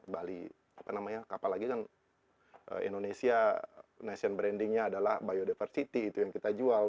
bali apa namanya apalagi kan indonesia nation brandingnya adalah biodiversity itu yang kita jual